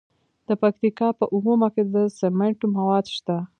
د پکتیکا په اومنه کې د سمنټو مواد شته.